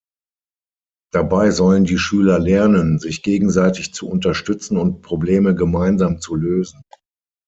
Dabei sollen die Schüler lernen, sich gegenseitig zu unterstützen und Probleme gemeinsam zu lösen.